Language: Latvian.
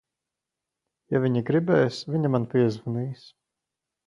Ja viņa gribēs, viņa man piezvanīs.